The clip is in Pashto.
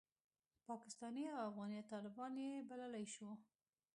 پاکستاني او افغاني طالبان یې بللای شو.